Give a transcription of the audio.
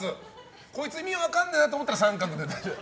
こいつ意味わかんねえなと思ったら△で大丈夫。